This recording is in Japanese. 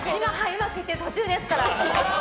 うまくいっている途中ですから。